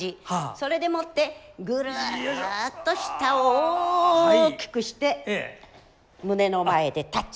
それでもってぐるっと下を大きくして胸の前でタッチ。